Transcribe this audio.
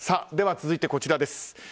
続いてこちらです。